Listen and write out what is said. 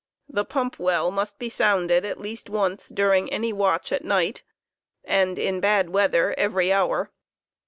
The pump well must be sounded at least once during any watch at night, and in bad' weather, every hour.